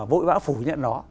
vội vã phủ nhận nó